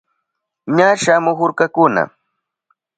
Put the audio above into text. Ña shamuhurkakuna.